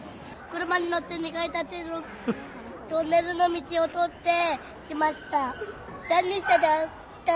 車に乗って、２階建てのトンネルの道を通ってきました。